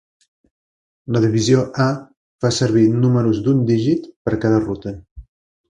La divisió A fa servir números d'un dígit per cada ruta.